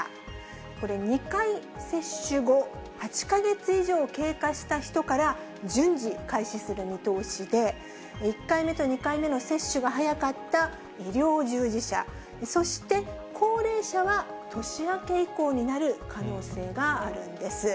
これ、２回接種後、８か月以上経過した人から順次開始する見通しで、１回目と２回目の接種が早かった医療従事者、そして、高齢者は年明け以降になる可能性があるんです。